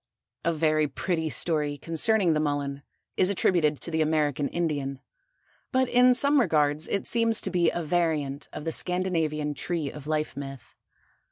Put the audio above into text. A very pretty story concerning the Mullen is attributed to the American Indian, but in some regards it seems to be a variant of the Scandinavian Tree of Life myth.